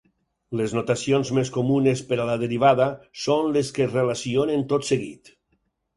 Les notacions més comunes per a la derivada són les que es relacionen tot seguit.